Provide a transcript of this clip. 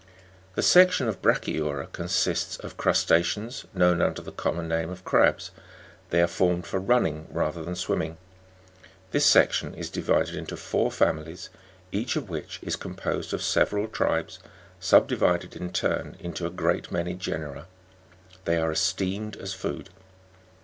3. The section of BRA'CHYU'RA consists of crusta'ceans, known under the common name of crabs ; they are formed for running, rather than swimming. This section is divided into four families, each of which is composed of several tribes, subdivided in turn into a jrreat many genera ; they are esteemed as food.